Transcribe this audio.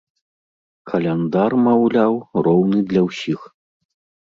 Каляндар, маўляў, роўны для ўсіх.